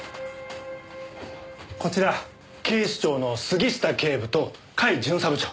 こちら警視庁の杉下警部と甲斐巡査部長。